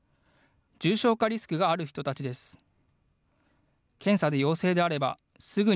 重症化リスクがある人たちです。